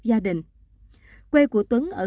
gia đình quê của tuấn ở